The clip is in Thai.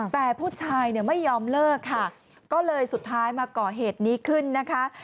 แต่ผู้ชายเนี่ยไม่ยอมเลิกค่ะก็เลยสุดท้ายมาก่อเหตุนี้ขึ้นนะคะ